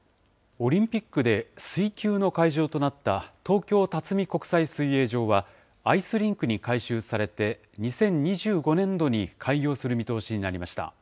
オリンピックで水球の会場となった東京辰巳国際水泳場は、アイスリンクに改修されて、２０２５年度に開業する見通しになりました。